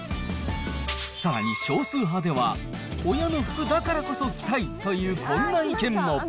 さらに少数派では、親の服だからこそ着たいというこんな意見も。